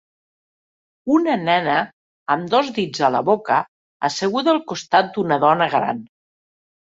Una nena amb dos dits a la boca asseguda al costat d'una dona gran.